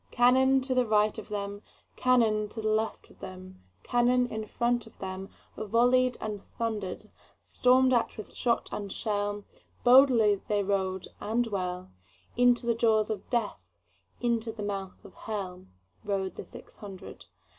Cannon to right of them, Cannon to left of them, Cannon in front of themVolley'd and thunder'd; Storm'd at with shot and shell, Boldly they rode and well, Into the jaws of Death, Into the mouth of HellRode the six hundred.